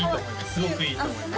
すごくいいと思います